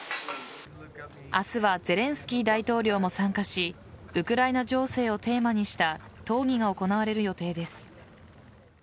明日はゼレンスキー大統領も参加しウクライナ情勢をテーマにした討議が行われる予定です。